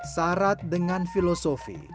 sarat dengan filosofi